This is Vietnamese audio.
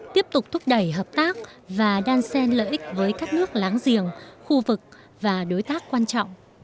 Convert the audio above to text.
tiếp tục thúc đẩy hợp tác và đan sen lợi ích với các nước láng giềng khu vực và đối tác quan trọng